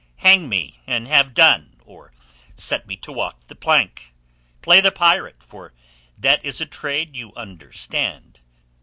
Hang me, and have done, or set me to walk the plank. Play the pirate, for that is a trade you understand.